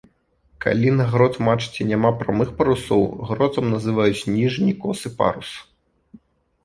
Калі на грот-мачце няма прамых парусоў, гротам называюць ніжні косы парус.